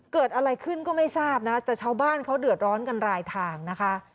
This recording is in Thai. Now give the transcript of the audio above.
เกิดอะไรขึ้นก็ไม่ทราบนะแต่ชาวบ้านเขาเดือดร้อนกันรายทางนะคะ